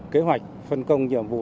kế hoạch phân công nhiệm vụ